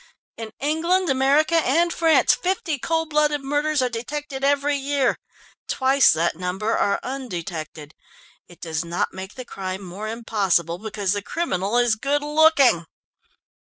In England, America, and France fifty cold blooded murders are detected every year. Twice that number are undetected. It does not make the crime more impossible because the criminal is good looking."